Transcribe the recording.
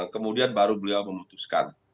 kemudian baru beliau memutuskan